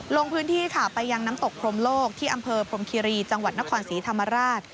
ลงพื้นที่ค่ะไปยังน้ำตกพรมโลกที่อำเภอพรมคิรีจังหวัดนครศรีธรรมราช